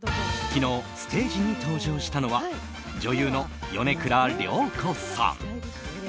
昨日、ステージに登場したのは女優の米倉涼子さん。